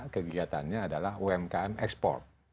kegiatannya adalah umkm export